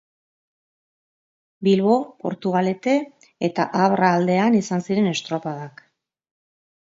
Bilbo, Portugalete eta Abra aldean izan ziren estropadak.